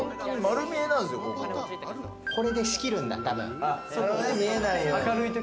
これで仕切るんだ、たぶん。